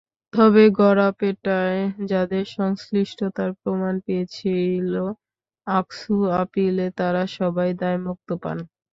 তবে গড়াপেটায় যাঁদের সংশ্লিষ্টতার প্রমাণ পেয়েছিল আকসু, আপিলে তাঁরা সবাই দায়মুক্তি পান।